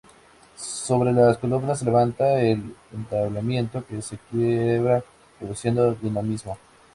Sobre las columnas se levanta el entablamento, que se quiebra produciendo dinamismo.